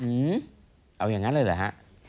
เอาอย่างนั้นเลยเหรอฮะ